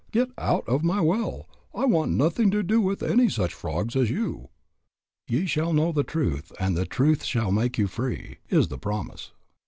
Get out of my well. I want nothing to do with any such frogs as you." "Ye shall know the truth and the truth shall make you free," is the promise.